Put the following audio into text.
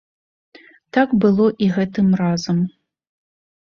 Так было і гэтым разам.